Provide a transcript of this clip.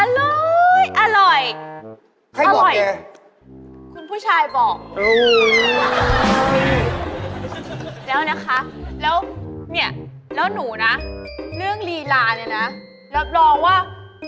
เรื่องรีลาเลยนะรับรองว่า